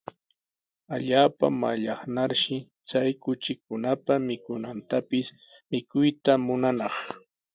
Allaapa mallaqnarshi chay kuchikunapa mikunantapis mikuytana munanaq.